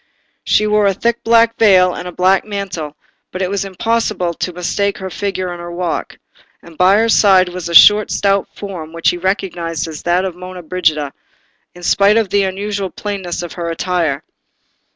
She wore a thick black veil and black mantle, but it was impossible to mistake her figure and her walk; and by her side was a short stout form, which he recognised as that of Monna Brigida, in spite of the unusual plainness of her attire.